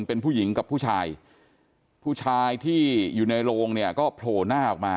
เป็นผู้หญิงกับผู้ชายผู้ชายที่อยู่ในโรงเนี่ยก็โผล่หน้าออกมา